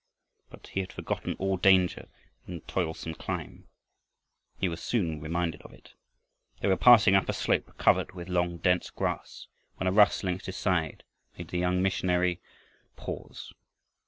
But he had forgotten all danger in the toilsome climb. He was soon reminded of it. They were passing up a slope covered with long dense grass when a rustling at his side made the young missionary pause.